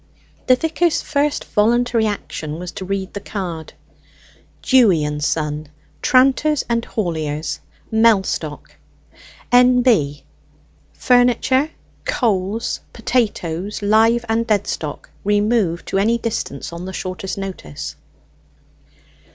The vicar's first voluntary action was to read the card: DEWY AND SON, TRANTERS AND HAULIERS, MELLSTOCK. NB. Furniture, Coals, Potatoes, Live and Dead Stock, removed to any distance on the shortest notice.